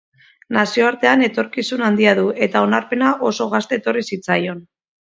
Nazioartean etorkizun handia du eta onarpena oso gazte etorri zitzaion.